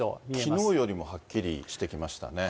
きのうよりもはっきりしてきましたね。